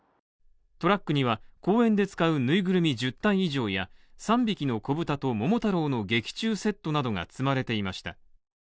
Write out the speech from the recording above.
トラックには公演で使うぬいぐるみ１０体以上や３匹の子豚と桃太郎の劇中セットなどが積まれていました。